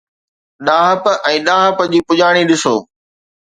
ڏاهپ ۽ ڏاهپ جي پڄاڻي ڏسو.